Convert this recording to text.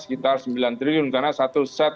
sekitar sembilan triliun karena satu set